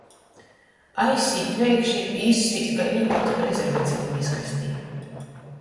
Aizsīt veikši i izsvīst kai lītuotu prezervativu miskastē.